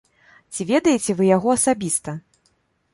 Ці ведаеце вы яго асабіста?